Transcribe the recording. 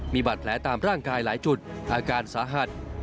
มีบาดแผลตามร่างกายหลายจุดอาการสาหัส